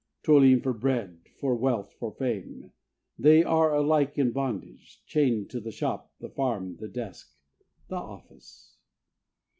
Toiling for bread, for wealth, for fame, they are alike in bondage chained to the shop, the farm, the desk, the office.